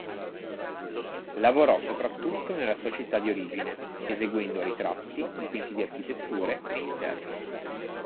Lavorò soprattutto nella sua città di origine, eseguendo ritratti, dipinti di architetture e interni.